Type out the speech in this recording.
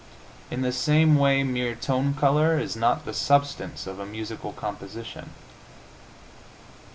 In the same way mere tone color is not the substance of a musical composition.